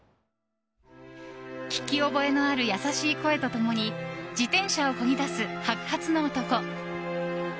聞き覚えのある優しい声と共に自転車をこぎ出す白髪の男。